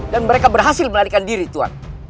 dan mereka berhasil melarikan diri tuan